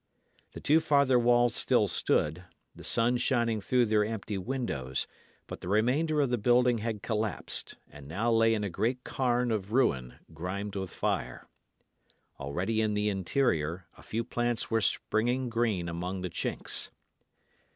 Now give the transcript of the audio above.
The two farther walls still stood, the sun shining through their empty windows; but the remainder of the building had collapsed, and now lay in a great cairn of ruin, grimed with fire. Already in the interior a few plants were springing green among the chinks.